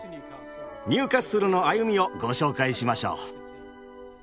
ニューカッスルの歩みをご紹介しましょう。